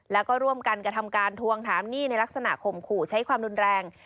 แล้วก็ร่วมกันกระทำการทวงถามหนี้ในลักษณะข่มขู่ใช้ความรุนแรง